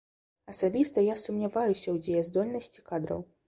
Асабіста я сумняваюся ў дзеяздольнасці кадраў.